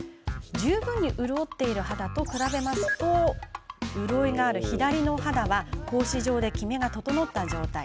十分に潤っている肌と比べてみると潤いのある左の肌は格子状できめが整った状態。